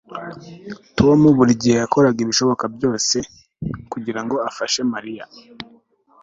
Tom buri gihe yakoraga ibishoboka byose kugirango afashe Mariya